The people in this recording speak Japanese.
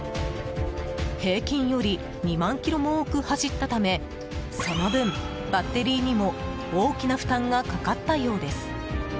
平均より２万ｋｍも多く走ったためその分、バッテリーにも大きな負担がかかったようです。